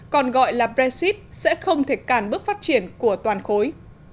còn gọi là brexit sẽ không thể cản bước phát triển của toàn khối